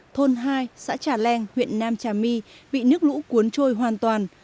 thôn hai xã trà leng huyện nam trà my bị nước lũ cuốn trôi hoàn toàn